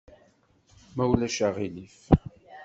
Ma ulac aɣilif.